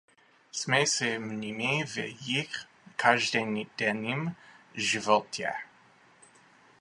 Jsme s nimi v jejich každodenním životě.